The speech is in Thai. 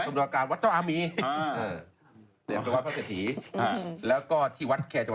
สำเร็จ